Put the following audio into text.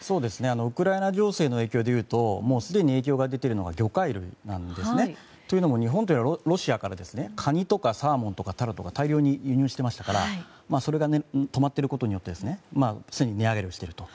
ウクライナ情勢の影響でいうと、もうすでに影響が出ているのが魚介類なんですね。というのも日本はロシアからカニとかサーモンとかタラとか大量に輸入していましたからそれが止まっていることによってすでに値上げをしている。